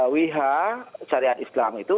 wihah syariat islam itu